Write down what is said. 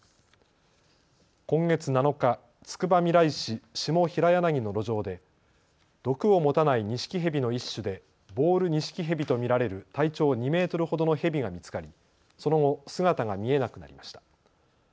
今月７日、つくばみらい市下平柳の路上で毒を持たないニシキヘビの一種でボールニシキヘビと見られる体長２メートルほどのヘビが見つかりその後、姿が見えなくなりました。